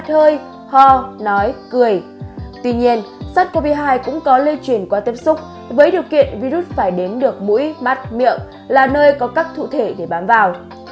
tuy nhiên sars cov hai cũng có lây chuyển qua tiếp xúc với điều kiện virus phải đến được mũi mắt miệng là nơi có các cụ thể để bám vào